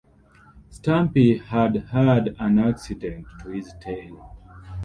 Stumpy had had an accident to his tail.